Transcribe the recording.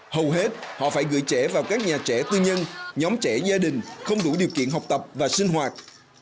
hầu hết họ phải gửi trẻ vào các nhà trẻ tư nhân nhóm trẻ gia đình không đủ điều kiện học tập và sinh hoạt